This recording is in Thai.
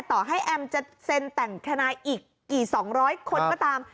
ต่อให้แอมจะเซ็นแต่งทนายอีกกี่๒๐๐คนก็ตาม